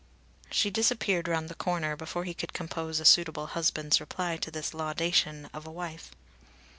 She disappeared round the corner before he could compose a suitable husband's reply to this laudation of a wife.